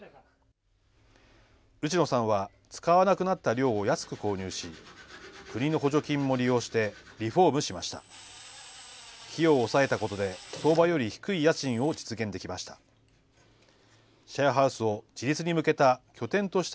内野さんは使わなくなった寮を安く購入し、国の補助金も利用してリフォームしました。